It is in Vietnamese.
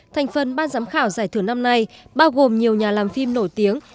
thành phần ban giám khảo giải thưởng năm nay bao gồm nhiều nhà làm phim nổi tiếng